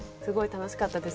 楽しかったです。